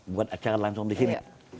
buat acara langsung di sini